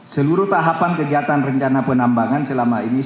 seluruh tahapan kegiatan rencana penambangan selama ini